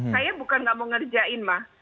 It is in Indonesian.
saya bukan tidak mau mengerjakan